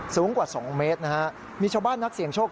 สูงกว่า๒เมตรนะฮะมีชาวบ้านนักเสี่ยงโชค